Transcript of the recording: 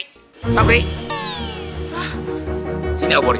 kita bisa dipindahkan ke jalan